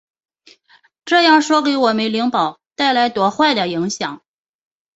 这样说给我们灵宝带来多坏的影响！